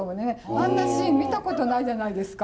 あんなシーン見たことないじゃないですか。